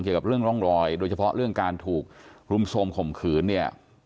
เกี่ยวกับเรื่องร่องรอยโดยเฉพาะเรื่องการถูกรุมโทรมข่มขืนเนี่ย